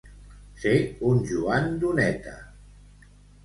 Ser un Joan Doneta.